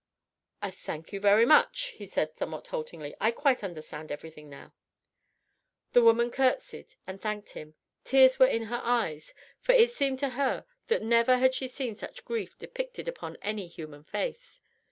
"I thank you very much," he said somewhat haltingly. "I quite understand everything now." The woman curtseyed and thanked him; tears were in her eyes, for it seemed to her that never had she seen such grief depicted upon any human face.